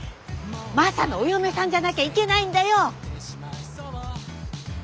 マサのお嫁さんじゃなきゃいけないんだよ！